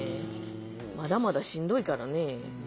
まだまだしんどいからね。